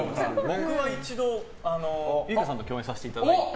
僕は１度ユイカさんと共演させていただいて。